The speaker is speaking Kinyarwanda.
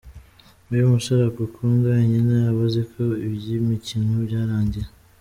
Iyo umusore agukunda wenyine, aba aziko iby’imikino byarangiye.